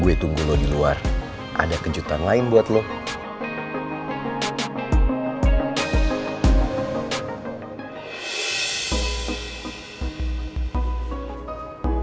aku akan mencari yang lebih baik untukmu